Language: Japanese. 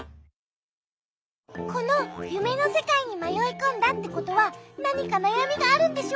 このゆめのせかいにまよいこんだってことはなにかなやみがあるんでしょ？